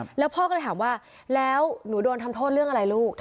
แล้วพ่อก็เลยถามว่าแล้วหนูโดนทำโทษเรื่องอะไรลูก